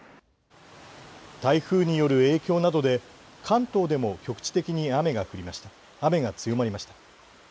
台風による影響などで関東でも局地的に雨が強まりました。